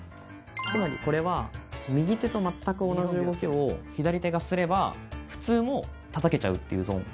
つまりこれは右手と全く同じ動きを左手がすれば普通も叩けちゃうっていうゾーン